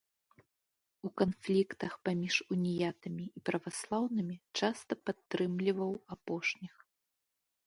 У канфліктах паміж уніятамі і праваслаўнымі часта падтрымліваў апошніх.